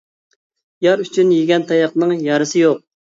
يار ئۈچۈن يېگەن تاياقنىڭ يارىسى يوق.